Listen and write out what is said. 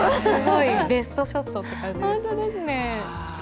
ベストショットって感じ。